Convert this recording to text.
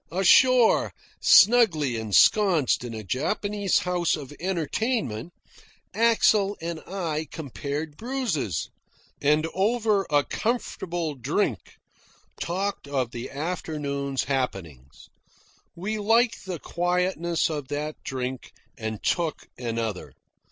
Ashore, snugly ensconced in a Japanese house of entertainment, Axel and I compared bruises, and over a comfortable drink talked of the afternoon's happenings. We liked the quietness of that drink and took another.